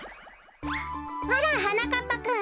あらはなかっぱくん。